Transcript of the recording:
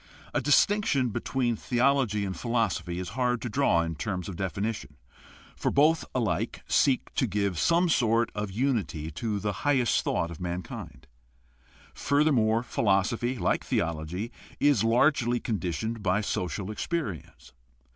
— A dis tinction between theology and philosophy is hard to draw in terms of definition, for both alike seek to give some sort of unity to the highest thought of mankind. Furthermore, philosophy, like theology, is largely conditioned by social experience.